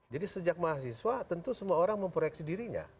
jadi sejak mahasiswa tentu semua orang memproyeksi dirinya